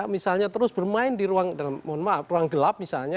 misalnya terus bermain di ruang gelap